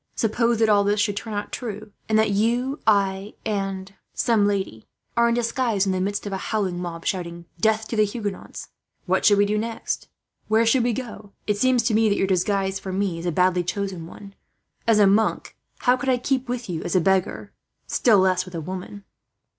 Suppose that all this should turn out true, and that you, I, and and some lady are in disguise in the midst of a howling mob shouting, 'Death to the Huguenots!' What should we do next? Where should we go? "It seems to me that your disguise for me is a badly chosen one. As a monk, how could I keep with you as a beggar, still less with a woman?"